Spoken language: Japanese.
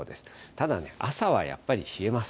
ただね、朝はやっぱり冷えます。